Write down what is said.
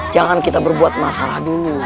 jangan kita berbuat masalah dulu